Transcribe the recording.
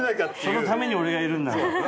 そのために俺がいるんだから。